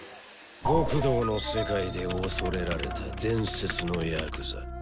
「極道の世界で恐れられた伝説のヤクザ。